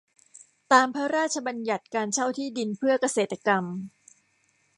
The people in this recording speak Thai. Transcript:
ตาม พระราชบัญญัติการเช่าที่ดินเพื่อเกษตรกรรม